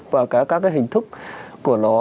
và các cái hình thức của nó